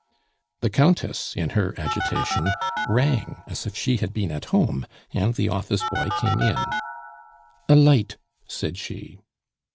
The Countess in her agitation rang as if she had been at home, and the office boy came in. "A light," said she.